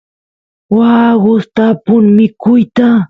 waa gustapun mikuyta